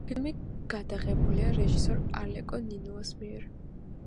ფილმი გადაღებულია რეჟისორ ალეკო ნინუას მიერ.